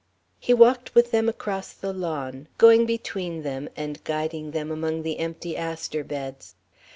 He walked with them across the lawn, going between them and guiding them among the empty aster beds.